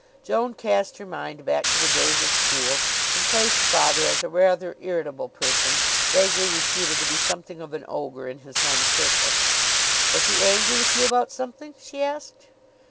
Joan cast her mind back to the days of school and placed father as a rather irritable person, vaguely reputed to be something of an ogre in his home circle. "Was he angry with you about something?" she asked.